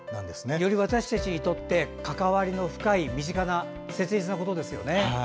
より私たちにとって関わりの深い身近な切実なことですよね。